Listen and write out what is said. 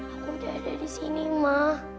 aku udah ada di sini mah